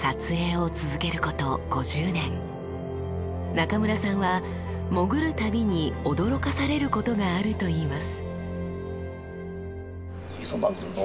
中村さんは潜る度に驚かされることがあるといいます。